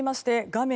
画面